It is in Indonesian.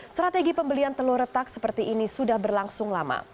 strategi pembelian telur retak seperti ini sudah berlangsung lama